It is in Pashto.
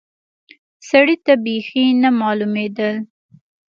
سړي ته بيخي نه معلومېدل.